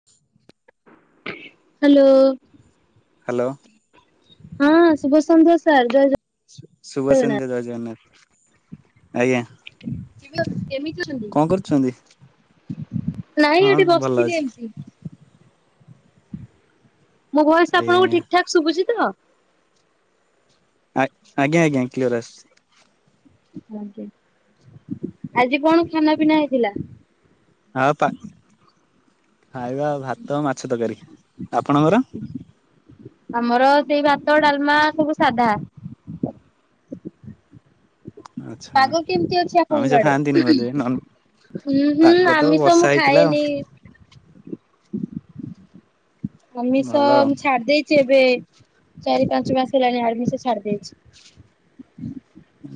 [inaudible] Hello. Hello. ହଁ ଶୁଭ ସନ୍ଧ୍ୟା ସାର୍ ଜୟ ଜ ଶୁ-ଶୁଭ ସନ୍ଧ୍ୟା ଜୟ ଜଗନା ଆଜ୍ଞା। ସାର୍ କେମିତି ଅଛନ୍ତି? କଣ କରୁଛନ୍ତି? ନାଇଁ ହଁ ଏଠି ଭଲ ବସିଥିଲି ଅଛି ଏମତି। ମୋ ଭଏସ୍ ଆପଣଙ୍କୁ ଠିକ୍ ଠାକ୍ ଶୁଭୁଛି ତ? ଆ, ଆଜ୍ଞା ଆଜ୍ଞା କ୍ଲିୟର୍ ଆସୁଛି। [unintelligible] ଆଜି କଣ ଖାନା ପିନା ହେଇଥିଲା? ହଁ ପା-ଖାଇବା ଭାତ ମାଛ ତରକାରୀ। ଆପଣଙ୍କର? ଆମର ସେଇ ଭାତ ଡାଲମା ସବୁ ସାଧା। ଆଚ୍ଛା ପାଗ କେମିତି ଅଛି ଆମିଷ ଆପଣ ଆଡେ? ଖାଆନ୍ତିନି ବୋଧେ ଉଁ, ହୁଁ, ପାଗ ତ ଆମିଷ ବର୍ଷା ମୁଁ ହେଇଥିଲା ଆଉ ଖାଏନି। ଆମିଷ ଭଲ ଆଉ ମୁଁ ଛାଡି ଦେଇଚି ଏବେ। ଚାରି ପାଞ୍ଚ ମାସ ହେଲାଣି ଆମିଷ ଛାଡି ଦେଇଛି।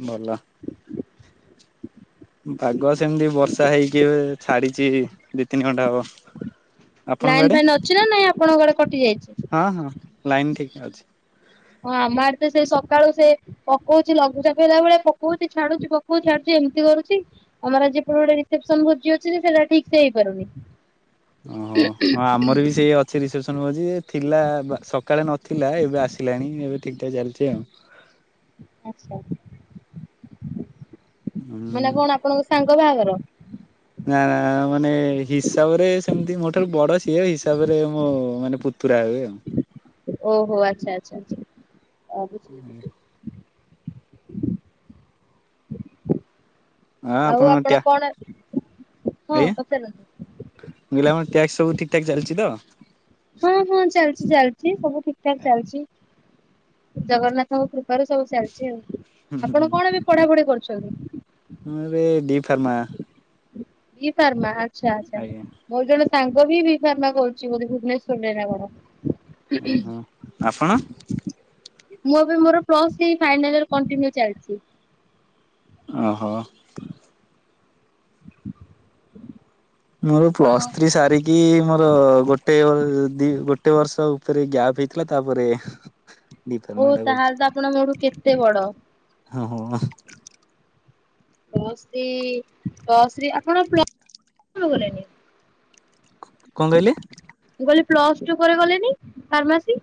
ଭଲ। ପାଗ ସେମିତି ବର୍ଷା ହେଇକି ଛାଡିଛି ଦି ତିନି ଘଣ୍ଟା ହବ। ଆପଣଙ୍କ ଲାଇନ୍ ଆଡେ? ଫାଇନ୍ ଅଛି ନା ନାଇଁ ଆପଣଙ୍କ ଆଡେ କଟି ଯାଇଛି? ହଁ, ହଁ ଲାଇନ୍ ଠିକ ନା ଅଛି। ହଁ ଆମ ଆଡେ ତ ସେ ସକାଳୁ ସେ ପକଉଚି ଲଘୁଚାପ ହେଲା ଭଳିଆ ପକଉଚି ଛାଡୁଚି ପକଉ ଛାଡୁଚି ଏମିତି କରୁଛି। ଆମର ଆଜି ଏପଟେ ଗୋଟେ ରିସେପସନ୍ ଭୋଜି ଅଛି ଯେ ସେଟା ଠିକ ସେ ହେଇପାରୁନି। ଓହୋ, ହଁ ଆମର ବି ସେଇ ଅ ଛି ରିସେପସନ୍ ଭୋଜି ଯେ ଥିଲା ବା-ସକାଳେ ନଥିଲା ଏବେ ଆସିଲାଣି ଏବେ ଠିକ୍ ଠାକ୍ ଚାଲିଛି ଆଉ। ହୁଁ ମାନେ କଣ ଆପଣଙ୍କ ସାଙ୍ଗ ବାହାଘର? ନା ନା ମାନେ ହିସାବ ରେ ସେମତି ମୋ ଠାରୁ ବଡ ସିଏ। ହିସାବ ରେ ମୋ ମାନେ ପୁ ତୁରା ହୁଏ ଆଉ। ଓହୋ! ଆଚ୍ଛା, ଆଚ୍ଛା, ଆଚ୍ଛା [inaudible] ହଁ ଏ ହଁ ଆଉ ଆପଣଙ୍କ ଟ୍ୟା ଆପଣ କଣ ହଁ ପଚାରନ୍ତୁ। ନିଲାମ ଟ୍ୟାକ୍ସ ସବୁ ଠିକ୍ ଠାକ୍ ଚାଲିଛି ତ? ହଁ, ହଁ ଚାଲିଛି ଚାଲିଛି ସବୁ ଠିକ୍ ଠାକ୍ ଚାଲିଛି। ଜଗନ୍ନାଥଙ୍କ କୃପାରୁ ସବୁ ଚାଲିଛି ଆଉ ହୁଁ ଆପଣ ହୁଁ କଣ ଏବେ ପଢାପଢି କରୁଛନ୍ତି? ମୁଁ ଏବେ D pharma. B pharma ଆଛା ଆଛା। ଆଜ୍ଞା ମୋର ଜଣ ସାଙ୍ଗ ବି ବି ଫାର୍ମା କରୁଛି ବୋଧେ ଭୁବନେଶ୍ଵର ରେ ନା କଣ। ଓହୋ ଆପଣ? ମୁଁ ଏବେ ମୋର plus three final year continue ଚାଲିଛି। ଓହୋ। ମୁଁ ଏବେ ଆପଣ ପ୍ଲସ୍ ଥ୍ରୀ ସାରିକି କି ମୋର ଗୋଟେ ବ ଦି ଗୋଟେ ବର୍ଷ ଉପରେ ଗ୍ୟାପ୍ ହେଇଥିଲା ତାପରେ ଡି ଓ ଫାର୍ମା ଟା ତା କରିଛି ହେଲେ ତ ଆପଣଙ୍କ ମୋଠୁ କେତେ ବଡ। ହଁ ହୋ। ପ୍ଲସ ଥ୍ରି ପ୍ଲସ ଥ୍ରି ଆପଣ୍ ପ୍ଲୁ କଲେଣି? କଣ କହିଲେ? ମୁଁ କହିଲି ପ୍ଲସ ଟୁ ପରେ କଲେନି ଫାର୍ମାସି।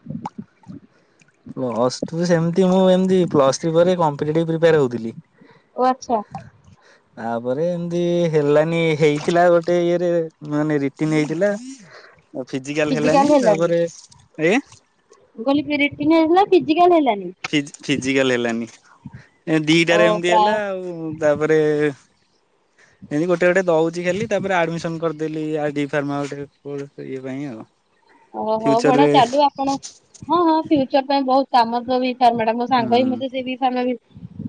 ପ୍ଲସ ଟୁ ସେମିତି ମୁଁ ଏମତି ପ୍ଲସ ଥ୍ରି ପରେ କମ୍ପିଟେଟିଭ ପ୍ରିପୟାର ହଉଥିଲି। ଓ ଆଚ୍ଛା। ହ। ତାପରେ ଏମତି ହେଲାନି ହେଇଥିଲା ଗୋଟେ ଇଏରେ ମାନେ ରିଟିନ ହେଇଥିଲା। ଫିଜିକାଲ ହେଲାନି ତାପରେ ଆଜ୍ଞା। ମୁ କହଲି ରିଟିର୍ନ ହେଲା ଫିଜିକାଲ ହେଲାନି। ଫି-ଫି-ଫିଜିକାଲ ହେଲାନି ଏ ଓ ଦିଟାରେ ଏମିତି ହେଲା ପ୍ରାୟ ଆଉ। ତାପରେ ଏମିତି ଗୋଟେ ଗୋଟେ ଦଉଛି ଖାଲି ତାପରେ ଆଡମିସନ କରିଦେଲି ଆଡି ଡି ଫାର୍ମା ଗୋଟେ ଇଏ ପାଇଁ ଆଉ। ଓ ହୋ ବଢିଆ ଫ୍ୟୁଚରରେ ଚାଲୁ ଆପଣ ହଁ ହଁ ଫ୍ୟୁଚର ପାଇଁ ବହୁତ କାମ ଦବ ବି ଫାର୍ମା ଟା ମୋ ସାଙ୍ଗ ହିଁ ହୁଁ ମତେ ସେ ବି ଫାର୍ମା ବି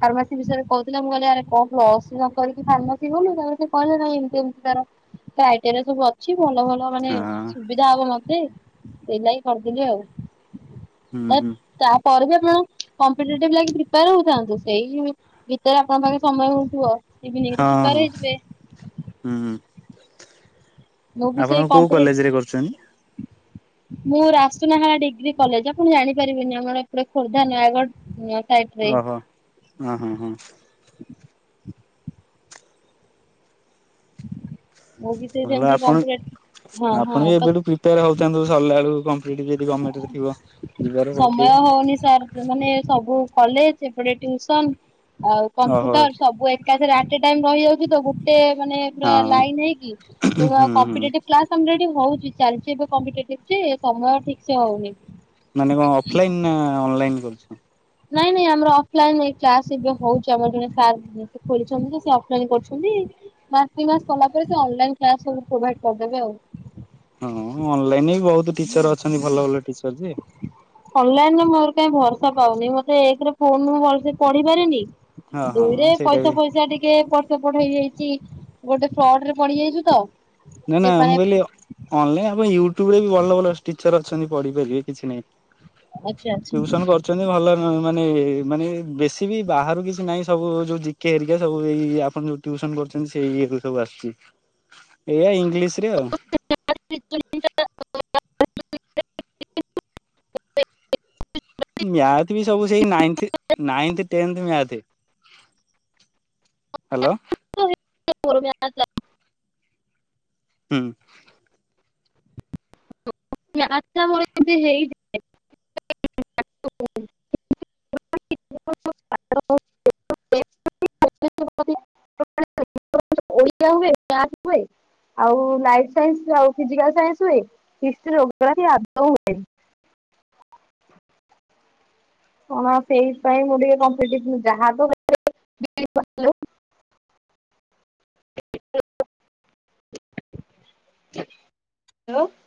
ଫାର୍ମାସି ବିଷୟରେ କହୁଥିଲ ମୁଁ କହିଲି ଆରେ ପ୍ଲସ ଥ୍ରି ନ କରିକି ଫାର୍ମାସିୀ କଲୁ ସେ କହିଲେ ନାଇଁ ଏମତି ଏମିତି ତାର କ୍ରାଇଟେରିିଆ ସବ ବତ ଛି ଭଲ ଭଲ ମାନେ ହଁ ସୁବିଧା ହବ ମତେ ସେଇ ଲାଗି କରିଦେଲି ଆଉ। ହୁଁ ଏ ହୁଁ। ତା ପରେ ବି ଆପଣ କମ୍ପିଟେଟିଭ ଲାଗି ପ୍ରିପୟାର ହଉଥାନ୍ତୁ ସେଇ ଭିତରେ ଆପଣଙ୍କ ପାଖେ ସମୟ ହଉଥିବ। ଇଭିନିଂରେ ହଁ ପ୍ରିପେୟାର ହଁ ହେଇଯିବେ ହୁଁ। ମୁଁ ବି ଆପଣ ସେଇ କେଉଁ କମ୍ପିଟେଟିଭ କଲେଜରେ କରୁଛନ୍ତି? ମୁଁ ରାସୁନାହାଲା ଡିଗ୍ରୀ କଲେଜ ଆପଣ ଜାଣିପାରିବେନି ଆମର ଏପଟେ ଖୋର୍ଦ୍ଧା ନୟାଗଡ। ଓହୋ ଓ ହଁ ହଁ। ମୁଁ ବି ସେଇ ଭଲ ସେମିତି ଆପଣ କମ୍ପ୍ୟୁଟର ହଁ ଆପଣ ବି ହଁ ତ ଏବେଠୁ ପ୍ରି ପ୍ରିପେର ହଉୁଥାଆନ୍ତୁ ସରିଲା ବେଳକୁ କମ୍ପିଟେଟିଭ ଯଦି ଗଭମେଣ୍ଟ ଥିବ। ଯିବାର ସମୟ ପକେଇବ ହଉନି ସାର୍ ମାନେ ସବୁ କଲେଜ ଏପଟେ ଟୁସନ ଆଉ ଓହୋ କମ୍ପୁଟର ସବୁ ଏକାରେ ଅଟେ ଟାଇମ ରହିଯାଉଛି ତ ଗୋଟେ ମାନେ ହଁ ପୁର ଲାଇନ ହେଇକି। ହୁଁ ତେଣୁ ଆଉ ହୁଁ। କମ୍ପିଟେଟିଭ କ୍ଲାସ ଆଲରେଡି ହଉଛି ଚାଲିଛି ଏବେ କମ୍ପିଟେଟିଭ ଯେ ସମୟ ଠିକ ସେ ହଉନି। ମାନେ କଣ ଅଫଲାଇନ୍ ନା ଅନଲାଇନ୍ କରୁଛ? ନାଇଁ ନାଇଁ ଆମର ଅଫଲାଇନ ଏଇ କ୍ଲାସ ଏବେ ହଉଛି ଆମର ଜଣେ ସାର୍ ସେ ଖୋଲିଛନ୍ତି ଯେ ସେ ଅଫଲାଇନ କରୁଛନ୍ତି। ମାସ୍ ଦି ମାସ୍ ସରଲା ପରେ ସେ ଅନଲାଇନ୍ କ୍ଲାସ୍ ସବୁ ପ୍ରୋଭାଇଡ କରିଦେବେ ଆଉ। ହଁ ଅନଲାଇନି ବି ବହୁତୁ ଟିଚର ଅଛନ୍ତି ଭଲ ଭଲ ଟିଚର ଯେ। ଅନଲାଇନରେ ମୋର କାଇଁ ଭରସା ପାଉନି ମତେ ଏକରେ ଫୋନରୁ ମୁଁ ଭଲସେ ପଢିପାରେନି। ହଁ ହଁ ଦୁଇରେ ସେଇଟା ବି ପଇସା ଫଇସା ଟିକେ ପ ଏପଟ୍ ସେପଟ୍ ହେଇଯାଇଚି ଗୋଟେ ଫ୍ରଡ୍ ରେ ପଡି ଯାଇଚୁ ତ। ନାଁ ସେ ନାଁ ମାନେ ମୁଁ କହିଲି ଅ-ଅନଲାଇନ ଆପଁ ୟୁଟ୍ୟୁବ ରେ ବି ଭଲ ଭଲ ଟିଚର ଅଛନ୍ତି ପଢିପାରିବେ କିଛି ନାଇଁ। ଆଚ୍ଛା ଆଚ୍ଛା। ଟ୍ୟୁସନ କରୁଚ ଚନ୍ତି ଭଲ ମ-ମାନେ ମାନେ ବେଶୀ ବି ବାହାରୁ କିଛି ନାଇଁ ସବୁ ଯୋଉ ଜିକେ ହେରିକା ସବୁ ଏଇ ଆପଣ ଯୋଉ ଟ୍ୟୁସନ୍ କରୁଚନ୍ତି ସେଇ ଇଏରୁ ସବୁ ଆସୁଚି। ଏଇଆ ଇଂଲିଶ ରେ ଆଉ। [unintelligible] ମ୍ୟାଥ୍ ବି ସବୁ ସେଇ ନାଇନ୍ଥି ନାଇନ୍ଥ ଟେନ୍ଥ ମ୍ୟାଥେ। ହାଲୋ। [unintelligible] ହୁଁ। [inaudible] [unintelligible] [unintelligible] ଓଡ଼ିଆ ହୁଏ [unintelligible] ଆଉ ଲାଇଫ୍ ସାଇନ୍ସ ଆଉ ଫିଜିକାଲ ସାଇନ୍ସ ହୁଏ। ହିଷ୍ଟ୍ର ଯୋଗ୍ରା-ଫି ଆଦୋଁ ହୁଏନି। କଣ୍ ସେଇଥପାଇଁ [inaudible] ଆ ହଲୋ।